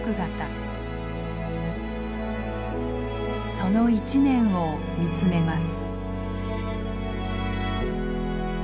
その一年を見つめます。